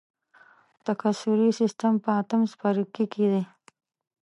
تکثري سیستم په اتم څپرکي کې دی.